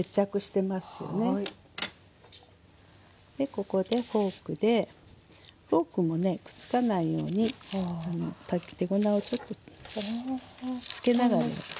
ここでフォークでフォークもねくっつかないように手粉をちょっとつけながらやってね。